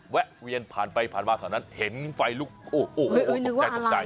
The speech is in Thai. แวะเวียนผ่านไปผ่านมาแถวนั้นเห็นไฟลุกโอ้โหตกใจตกใจ